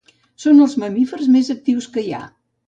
Són els mamífers més actius que hi ha.